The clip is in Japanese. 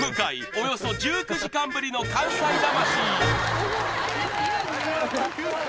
およそ１９時間ぶりの関西魂